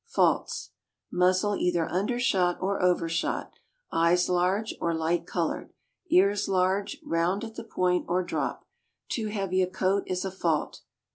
FAULTS. Muzzle either undershot or overshot; eyes large, or light colored; ears large, round at the point, or drop. Too heavy a coat is a fault.